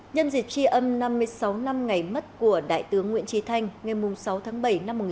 nhân dịch tri âm năm mươi sáu năm ngày mất của đại tướng nguyễn trì thanh ngày sáu tháng bảy năm một nghìn chín trăm sáu mươi